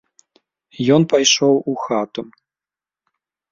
Ён пайшоў у хату.